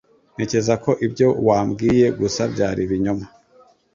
Ntekereza ko ibyo wambwiye gusa byari ibinyoma.